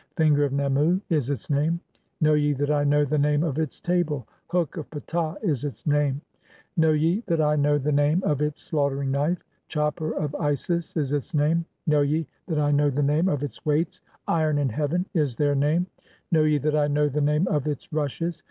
'Finger of Nemu' [is its name]. (6) Know ye 'that I know the name of its table ? 'Hook of Ptah' [is its name]. 'Know ye that I know (7) the name of its slaughtering knife? "Chopper of Isis' [is its name]. Know ye that I know the name 'of its weights? 'Iron (8) in heaven' [is their name]. Know ye 'that I know the name of [its] rushes?